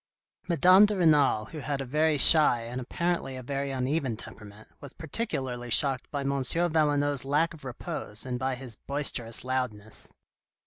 Madame de Renal, who had a very shy, and apparently a very uneven temperament, was particularly shocked by M. Valenod's lack of repose, and by his boisterous loudness.